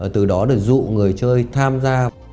từ đó để dụ người chơi tham gia